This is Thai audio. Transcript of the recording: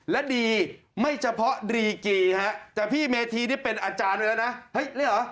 และดีไม่เฉพาะดรีกรีแต่พี่เมธีนี่เป็นอาจารย์อีกแล้วนะ